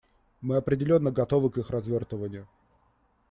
Мы определенно готовы к их развертыванию.